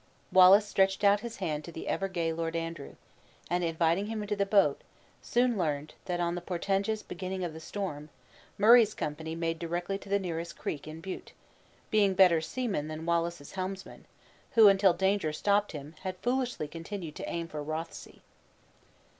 Wallace stretched out his hand to the ever gay Lord Andrew; and, inviting him into the boat, soon learned, that on the portentous beginning of the storm, Murray's company made direct to the nearest creek in Bute, being better seamen than Wallace's helmsman who, until danger stopped him, had foolishly continued to aim for Rothsay.